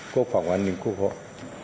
quốc phòng an ninh quốc hội